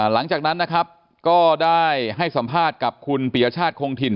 หลังจากนั้นนะครับก็ได้ให้สัมภาษณ์กับคุณปียชาติคงถิ่น